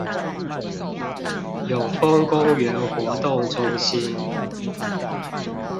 永豐公園活動中心